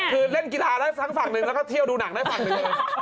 คือเล่นกีฬาได้ทั้งฝั่งหนึ่งแล้วก็เที่ยวดูหนังได้ฝั่งหนึ่งเลย